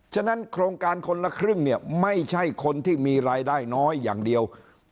ฉะนั้นโครงการคนละครึ่งเนี่ยไม่ใช่คนที่มีรายได้น้อยอย่างเดียว